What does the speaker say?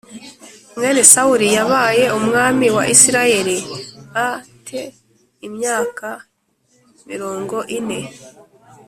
mwene Sawuli yabaye umwami wa Isirayeli a te imyaka mirongo ine